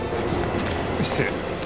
失礼。